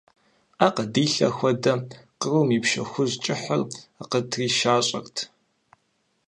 Ӏэ къыдилъэ хуэдэ, кърум и пщэ хужь кӀыхьыр къытришащӀэрт.